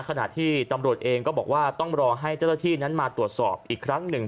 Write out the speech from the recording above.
ขณะที่ตำรวจเองก็บอกว่าต้องรอให้เจ้าหน้าที่นั้นมาตรวจสอบอีกครั้งหนึ่ง